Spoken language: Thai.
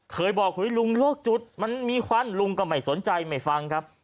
เคยบอกเฮ้ยลุงโรคจุดมันมีควันลุงก็ไม่สนใจไม่ฟังครับ